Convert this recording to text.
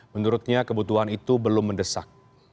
menurutnya kebutuhan itu belum mendesak